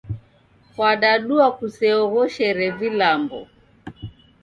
Kwadadua kuseoghoshere vilambo?